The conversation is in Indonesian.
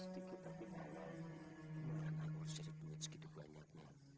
tapi kalau sekarang sih